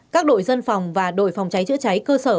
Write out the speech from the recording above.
các đội dân phòng và đội phòng cháy chữa cháy cơ sở